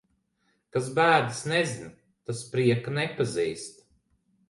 Kas bēdas nezina, tas prieka nepazīst.